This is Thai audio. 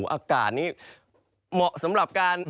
อากาศนี้เหมาะสำหรับการ